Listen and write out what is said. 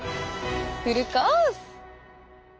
フルコース！